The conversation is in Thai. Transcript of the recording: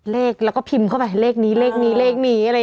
เลขแล้วก็พิมพ์เข้าไปเลขนี้เลขนี้เลขนี้อะไรอย่างนี้